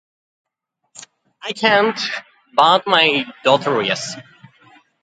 I can't. But, my daughter? Yes.